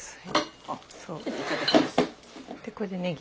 でこれでねぎ。